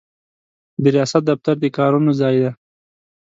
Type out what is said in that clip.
د ریاست دفتر د کارونو ځای دی.